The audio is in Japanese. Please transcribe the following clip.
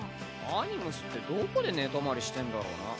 アニムスってどこで寝泊まりしてんだろうな？